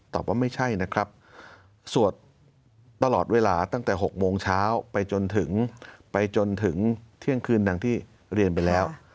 ว่าไม่ใช่นะครับสวดตลอดเวลาตั้งแต่๖โมงเช้าไปจนถึงไปจนถึงเที่ยงคืนดังที่เรียนไปแล้ว